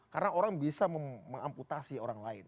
karena orang bisa mengamputasi orang lain